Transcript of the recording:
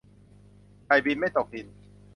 ไก่บินไม่ตกดิน